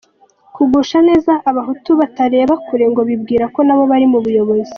Kugusha neza abahutu batareba kure ngo bibwire ko nabo bari mu buyobozi